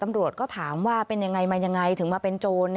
ตำรวจก็ถามว่าเป็นอย่างไรถึงมาเป็นโจร